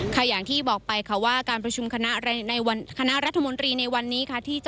อย่างที่บอกไปค่ะว่าการประชุมคณะในคณะรัฐมนตรีในวันนี้ค่ะ